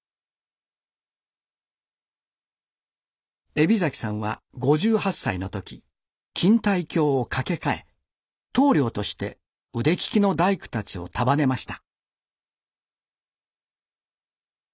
海老さんは５８歳の時錦帯橋を架け替え棟りょうとして腕利きの大工たちを束ねました。